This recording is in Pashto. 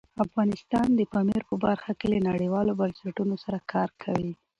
افغانستان د پامیر په برخه کې له نړیوالو بنسټونو سره کار کوي.